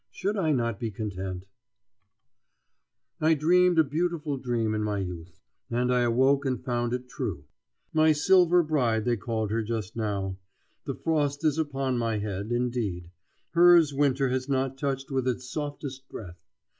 Should I not be content? [Illustration: Here comes the Baby!] I dreamed a beautiful dream in my youth, and I awoke and found it true. My silver bride they called her just now. The frost is upon my head, indeed; hers winter has not touched with its softest breath.